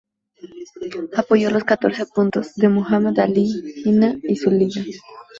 Apoyó los "Catorce puntos" de Muhammad Ali Jinnah y su Liga.